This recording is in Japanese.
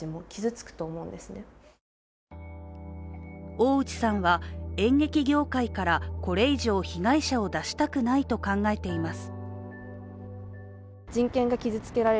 大内さんは演劇業界からこれ以上、被害者を出したくないと考えています。